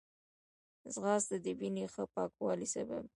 ځغاسته د وینې ښه پاکوالي سبب ده